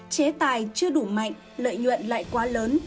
chế tài chưa đủ mạnh lợi nhuận lại quá lớn